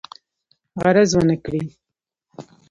غرض ونه کړي.